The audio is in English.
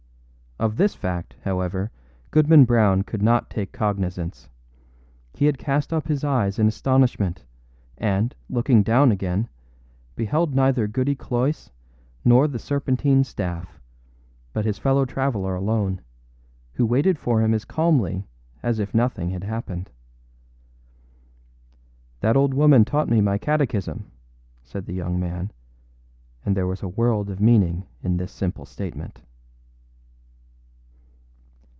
Of this fact, however, Goodman Brown could not take cognizance. He had cast up his eyes in astonishment, and, looking down again, beheld neither Goody Cloyse nor the serpentine staff, but his fellow traveller alone, who waited for him as calmly as if nothing had happened. âThat old woman taught me my catechism,â said the young man; and there was a world of meaning in this simple comment.